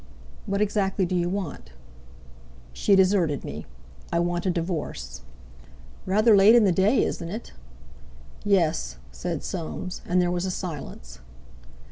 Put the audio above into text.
"What exactly do you want?" "She deserted me. I want a divorce." "Rather late in the day, isn't it?" "Yes," said Soames. And there was a silence.